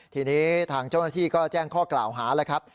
ทีนี้ทางเจ้าหน้าที่ก็แจ้งข้อกล่าวหาแล้วครับ